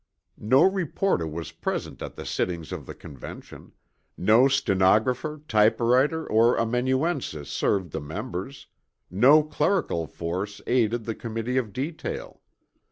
No reporter was present at the sittings of the Convention; no stenographer, typewriter or amanuensis served the members; no clerical force aided the Committee of Detail.